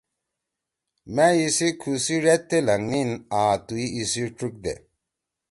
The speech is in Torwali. ”مأ ایِسی کُھو سی ڙید تے لھنگنیِن آں تُوئی ایِسی ڇُگ دے!“